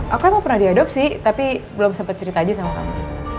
aku pernah diadopsi tapi belum sempat cerita aja sama kamu